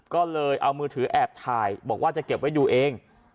ก็เลยเอามือถือแอบถ่ายบอกว่าจะเก็บไว้ดูเอง